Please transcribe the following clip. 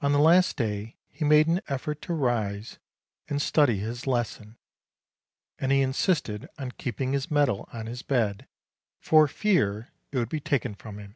On the last day he made an effort to rise and study his lesson, and he insisted on keeping his medal on his bed for fear it would be taken from him.